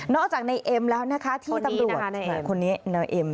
จากในเอ็มแล้วนะคะที่ตำรวจคนนี้นายเอ็ม